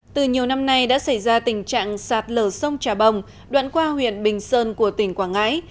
từ nhiều năm nay đã xảy ra tình trạng sạt lở sông trà bồng đoạn qua huyện bình sơn của tỉnh quảng ngãi